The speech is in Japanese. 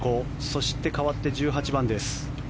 そして、かわって１８番です。